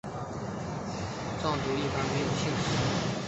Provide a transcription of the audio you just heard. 藏族一般没有姓氏。